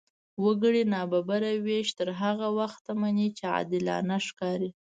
وګړي نابرابره وېش تر هغه وخته مني، چې عادلانه ښکاري.